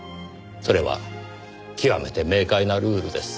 それは極めて明快なルールです。